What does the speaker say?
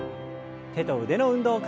手と腕の運動から。